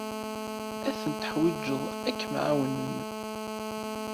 Ad ten-teḥwijeḍ ad kem-ɛawnen.